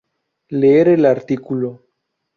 Leer el artículo